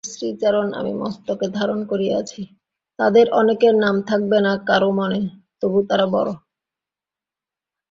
তাদের অনেকের নাম থাকবে না কারও মনে, তবু তারা বড়ো।